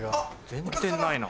全然ないな。